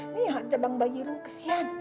nih jabang bayi lo kesian